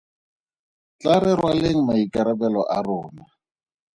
Tlaa re rwaleng maikarabelo a rona.